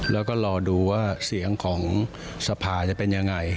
แล้วก็รอดูว่าเสียงของสภาจะเป็นยังไง